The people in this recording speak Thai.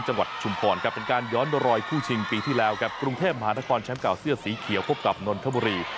ชุมพรครับเป็นการย้อนรอยคู่ชิงปีที่แล้วครับกรุงเทพมหานครแชมป์เก่าเสื้อสีเขียวพบกับนนทบุรี